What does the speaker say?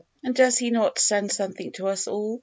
And does He not send something to us all?